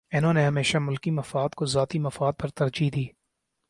انہوں نے ہمیشہ ملکی مفاد کو ذاتی مفاد پر ترجیح دی۔